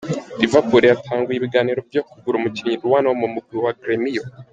Liverpool yatanguye ibiganiro vyo kugura umukinyi Luan wo mu mugwi wa Gremio.